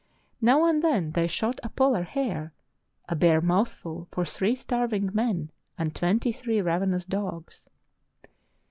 Now and then they shot a polar hare, a bare mouthful for three starving men and t .venty three ravenous dogs.